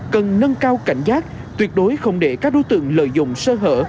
cần nâng cao cảnh giác tuyệt đối không để các đối tượng lợi dụng sơ hở